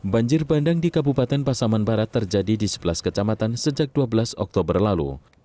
banjir bandang di kabupaten pasaman barat terjadi di sebelas kecamatan sejak dua belas oktober lalu